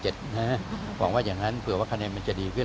หวังว่าอย่างนั้นเผื่อว่าคะแนนมันจะดีขึ้น